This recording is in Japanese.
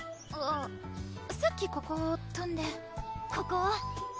あっさっきここをとんでここを！